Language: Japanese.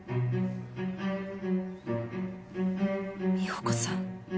美保子さん